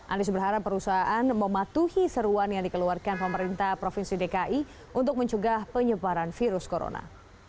anies berharap perusahaan mematuhi seruan yang dikeluarkan pemerintah provinsi dki untuk mencegah penyebaran virus corona